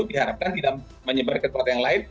diharapkan tidak menyebar ke kota yang lain